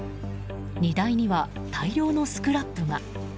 荷台には大量のスクラップが。